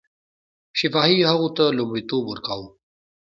شفاهي هغو ته لومړیتوب ورکاوه.